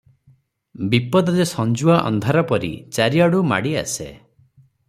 ବିପଦ ଯେ ସଞ୍ଜୁଆ ଅନ୍ଧାରପରି ଚାରିଆଡ଼ୁ ମାଡିଆସେ ।